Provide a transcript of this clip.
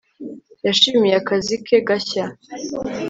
yishimiye akazi ke gashya